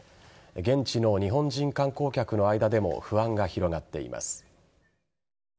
現地の日本人観光客の間でも不安が広がっています。